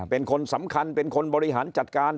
เป็นคนสำคัญเป็นคนบริหารจัดการ